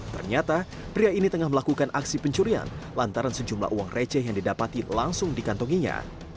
ternyata pria ini tengah melakukan aksi pencurian lantaran sejumlah uang receh yang didapati langsung dikantonginya